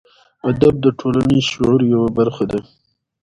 ادب د ټولنیز شعور یوه برخه ده.